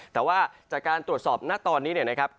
แต่ว่าจากการตรวจสอบหน้าตอนนี้นะครับ